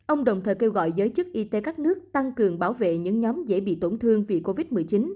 ông đồng thời kêu gọi giới chức y tế các nước tăng cường bảo vệ những nhóm dễ bị tổn thương vì covid một mươi chín